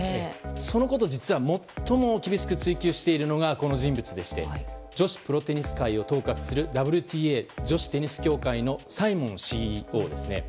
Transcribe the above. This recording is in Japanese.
そのことを実は最も厳しく追及しているのがこの人物でして女子プロテニス界を統括するＷＴＡ・女子テニス協会のサイモンＣＥＯです。